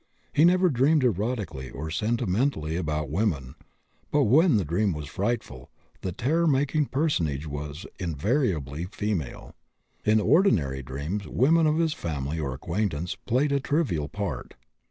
He never dreamed erotically or sentimentally about women; but when the dream was frightful, the terror making personage was invariably female. In ordinary dreams, women of his family or acquaintance played a trivial part.